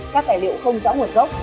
các tài liệu không rõ nguồn gốc